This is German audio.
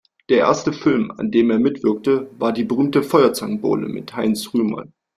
Der erste Film, an dem er mitwirkte, war die berühmte "Feuerzangenbowle" mit Heinz Rühmann.